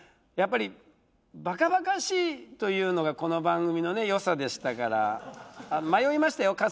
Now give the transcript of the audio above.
やっぱりバカバカしいというのがこの番組のねよさでしたから迷いましたよ